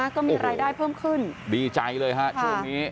ก็มีรายได้เพิ่มขึ้นดีใจเลยฮะช่วงนี้